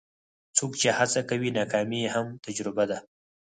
څوک چې هڅه کوي، ناکامي یې هم تجربه ده.